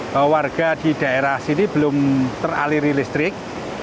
bahwa warga di daerah sini belum teraliri listrik